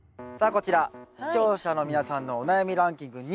こちら視聴者の皆さんのお悩みランキング２位。